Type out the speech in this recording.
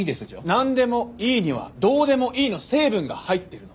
「なんでもいい」には「どうでもいい」の成分が入ってるの。